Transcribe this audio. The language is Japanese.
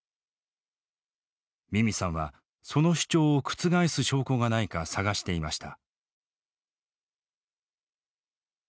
ミミさんはその主張を覆す証拠がないか探していました。